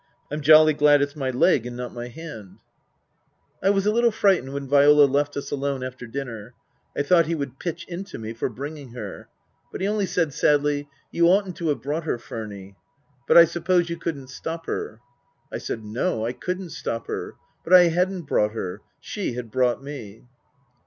I'm jolly glad it's my leg and not my hand." Book III : His Book 299 I was a little frightened when Viola left us alone after dinner. I thought he would pitch into me for bringing her. But he only said sadly, " You oughtn't to have brought her, Furny. But I suppose you couldn't stop her." I said, No, I couldn't stop her. But I hadn't brought her. She had brought me.